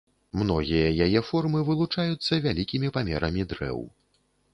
Многія яе формы вылучаюцца вялікімі памерамі дрэў.